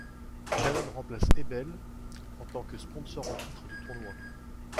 Canon remplace Ebel en tant que sponsor en titre du tournoi.